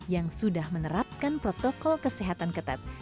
yang sudah menerapkan protokol kesehatan ketat